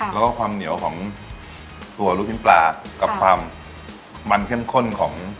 แล้วก็ความเหนียวของตัวลูกชิ้นปลากับความมันเข้มข้นของ